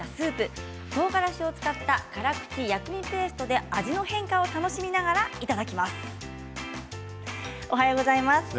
とうがらしを使った辛口薬味ペーストで、味の変化を楽しみながらいただきます。